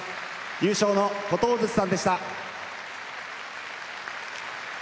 優勝の琴砲さんでした。